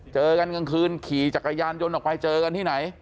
เจอกันกลางคืนขี่จักรยานยนต์ออกไปเจอกันที่ไหน